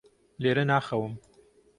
لێرە ناخەوم.